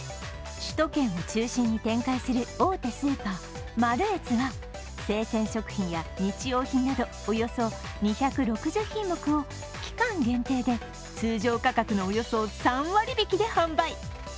首都圏を中心に展開する大手スーパー、マルエツは生鮮食品や日用品などおよそ２６０品目を期間限定で通常価格のおよそ３割引で販売。